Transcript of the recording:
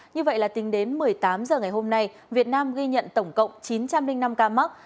như vậy là tính đến một mươi tám h ngày hôm nay việt nam ghi nhận tổng cộng chín trăm linh năm ca mắc